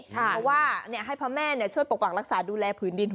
เพราะว่าเนี่ยให้พระแม่เนี่ยช่วยปกปรักษณ์รักษาดูแลพื้นดิน